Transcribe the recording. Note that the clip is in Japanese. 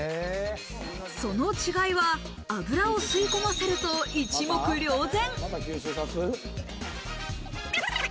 その違いは、油を吸い込ませると一目瞭然。